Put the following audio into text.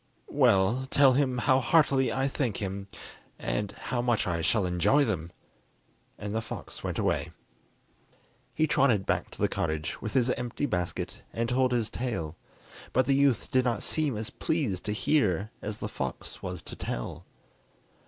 "Well, tell him how heartily I thank him, and how much I shall enjoy them." And the fox went away. He trotted back to the cottage with his empty basket and told his tale, but the youth did not seem as pleased to hear as the fox was to tell.